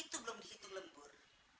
itu belum dihitung lembur